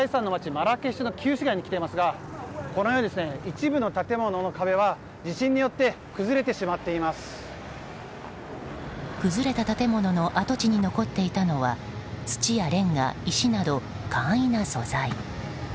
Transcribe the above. マラケシュの旧市街に来ていますがこのように一部の建物の壁は地震によって崩れた建物の跡地に残っていたのは土やレンガ、石など簡易な素材。